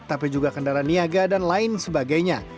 tapi juga kendaraan niaga dan lain sebagainya